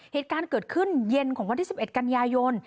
เหตุการณ์เกิดขึ้นเย็นของวันที่๑๑กันยายน